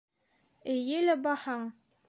Эйе лә баһаң...